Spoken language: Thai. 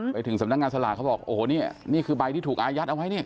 ไปถึงสำนักงานสลากเขาบอกโอ้โหนี่นี่คือใบที่ถูกอายัดเอาไว้นี่